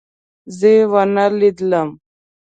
زه يې ونه لیدم.